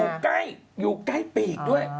อยู่ใกล้อยู่ใกล้ปีกด้วย